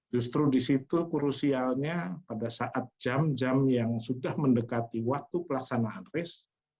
justru di situ krusialnya pada saat jam jam yang sudah mendekati waktu pelaksanaan race